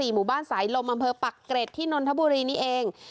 หมู่บ้านสายลมอำเภอปักเกร็ดที่นนทบุรีนี่เอง